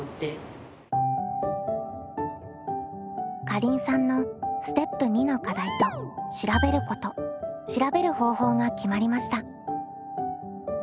かりんさんのステップ２の課題と「調べること」「調べる方法」が決まりました。